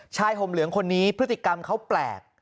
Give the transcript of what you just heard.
ห่มเหลืองคนนี้พฤติกรรมเขาแปลก